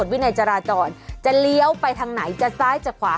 ว่าจะเลี้ยวไปทางไหนจากซ้ายจากขวา